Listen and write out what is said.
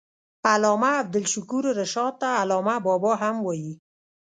علامه عبدالشکور رشاد ته علامه بابا هم وايي.